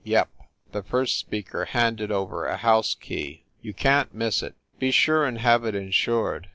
"Yep." The first speaker handed over a house key. "You can t miss it. Be sure and have it in sured.